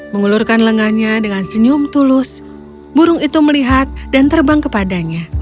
mengulurkan lengannya dengan senyum tulus burung itu melihat dan terbang kepadanya